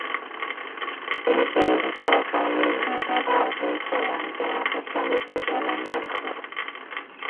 原先的翻译有得到公测玩家和项目负责人认可。